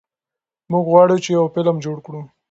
موږ غواړو چې یو فلم جوړ کړو.